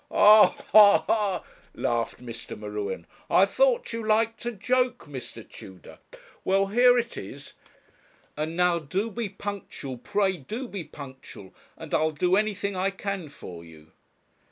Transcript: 'Ha, ha, ha!' laughed Mr. M'Ruen; 'I thought you liked a joke, Mr. Tudor. Well, here it is. And now do be punctual, pray do be punctual, and I'll do anything I can for you.'